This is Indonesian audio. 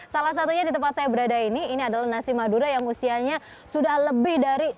salah satunya di tempat saya berada ini ini adalah nasi madura yang usianya sudah lebih dari